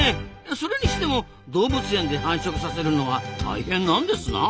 それにしても動物園で繁殖させるのは大変なんですなあ。